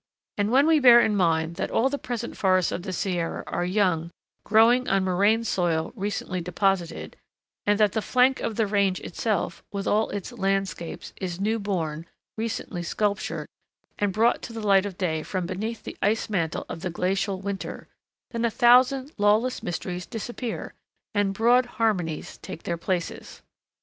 And when we bear in mind that all the present forests of the Sierra are young, growing on moraine soil recently deposited, and that the flank of the range itself, with all its landscapes, is new born, recently sculptured, and brought to the light of day from beneath the ice mantle of the glacial winter, then a thousand lawless mysteries disappear, and broad harmonies take their places.